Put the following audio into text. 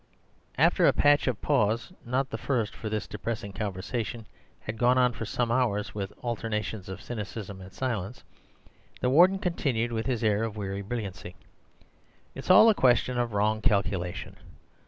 "After a patch of pause, not the first—for this depressing conversation had gone on for some hours with alternations of cynicism and silence— the Warden continued with his air of weary brilliancy: 'It's all a question of wrong calculation.